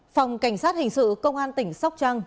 phòng cảnh sát hình sự công an tỉnh sóc trăng